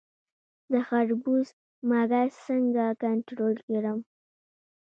د خربوزو مګس څنګه کنټرول کړم؟